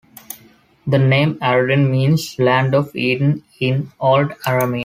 The name "Araden" means "Land of Eden" in old Aramaic.